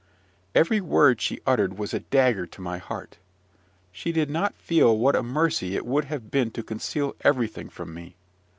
Every word she uttered was a dagger to my heart. She did not feel what a mercy it would have been to conceal everything from me.